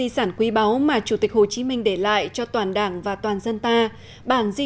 xin chào và hẹn gặp lại